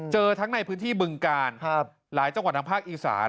เจอทั้งในพื้นที่บึงกาลหลายจังหวัดทางภาคอีสาน